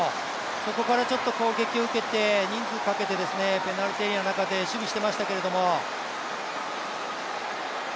そこからちょっと攻撃を受けて、人数かけてペナルティーエリアの中で守備してましたけども。